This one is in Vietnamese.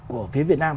của phía việt nam